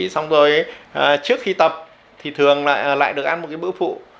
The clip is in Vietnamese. xong rồi trước khi tập thì thường lại được ăn một bữa phụ